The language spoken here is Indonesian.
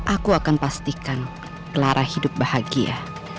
aku akan pastikan clara hidup bahagia